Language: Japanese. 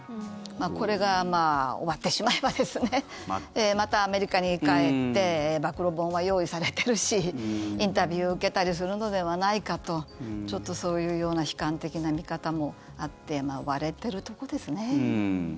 これが終わってしまえばまたアメリカに帰って暴露本は用意されているしインタビューを受けたりするのではないかとそういうような悲観的な見方もあって割れているところですね。